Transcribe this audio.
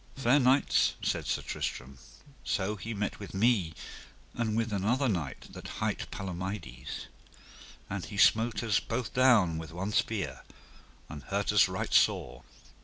Fair knights, said Sir Tristram, so he met with me, and with another knight that hight Palomides, and he smote us both down with one spear, and hurt us right sore.